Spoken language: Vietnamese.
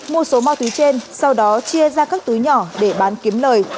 mua số ma túy trên sau đó chia ra các túi nhỏ để bán kiếm lời